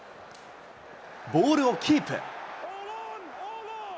ボールをキープ。